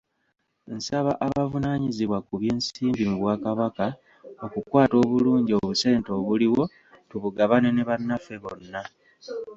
Nsaba abavunaanyizibwa ku by'ensimbi mu Bwakabaka okukwata obulungi obusente obuliwo tubugabane ne bannaffe bonna.